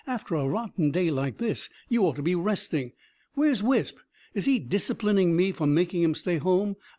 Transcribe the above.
After a rotten day like this, you ought to be resting.... Where's Wisp? Is he 'disciplining' me for making him stay home?